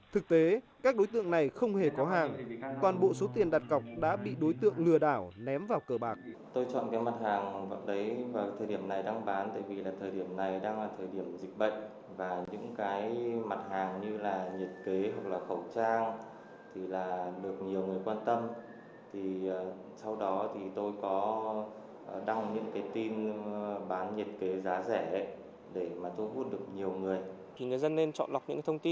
thực tế các đối tượng này không hề có hàng còn bộ số tiền đặt cọc đã bị đối tượng lừa đảo ném vào cờ bạc